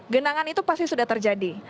genangan itu pasti sudah terjadi